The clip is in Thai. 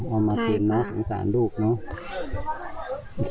เอามาคืนเนอะสงสารลูกเนอะ